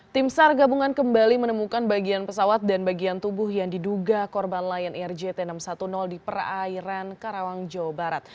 tim sar gabungan kembali menemukan bagian pesawat dan bagian tubuh yang diduga korban lion air jt enam ratus sepuluh di perairan karawang jawa barat